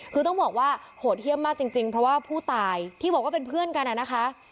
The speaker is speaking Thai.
คือต้องบอกว่าโหดเยี่ยมมากจริงเพราะว่าผู้ตายที่บอกว่าเป็นเพื่อนกันนะคะ